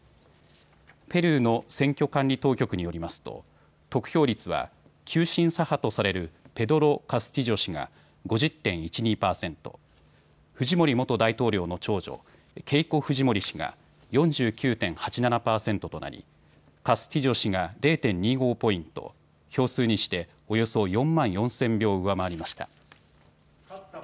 ペルーの選挙管理当局によりますと得票率は急進左派とされるペドロ・カスティジョ氏が５０．１２％、フジモリ元大統領の長女、ケイコ・フジモリ氏が４９．８７％となりカスティジョ氏が０．２５ポイント、票数にしておよそ４万４０００票上回りました。